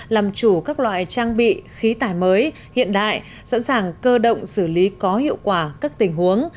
làm chủ các loại trang bị khí tải mới hiện đại sẵn sàng cơ động xử lý có hiệu quả các tình huống